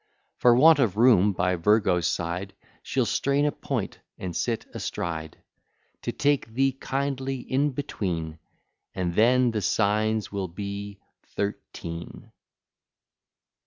For want of room by Virgo's side, She'll strain a point, and sit astride, To take thee kindly in between; And then the Signs will be Thirteen.